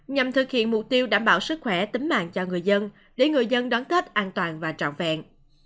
nhằm thực hiện mục tiêu đảm bảo sức khỏe tính mạng cho người dân để người dân đón tết an toàn và trọn vẹn